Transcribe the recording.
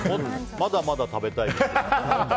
まだまだ食べたいです。